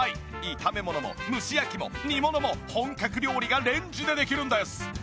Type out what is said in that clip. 炒め物も蒸し焼きも煮物も本格料理がレンジでできるんです！